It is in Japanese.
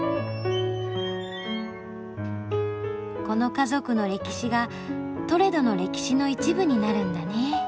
この家族の歴史がトレドの歴史の一部になるんだねえ。